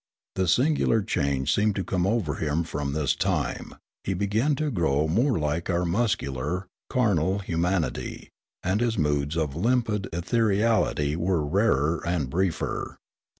A singular change seemed to come over him from this time ; he began to grow more like our muscular, carnal human ity, and his moods of limpid ethereality were rarer and briefer.